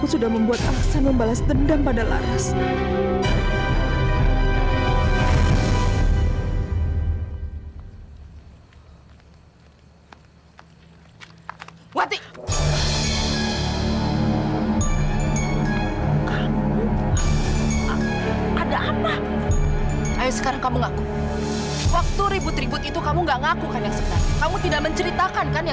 sampai jumpa di video selanjutnya